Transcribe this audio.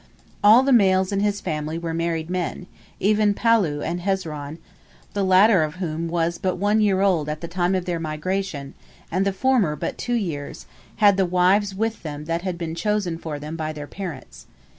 All the males in his family were married men; even Pallu and Hezron, the latter of whom was but one year old at the time of their migration, and the former but two years, had the wives with them that had been chosen for them by their parents.